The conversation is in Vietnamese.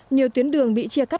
nhiều tuyến đường bị chia cắt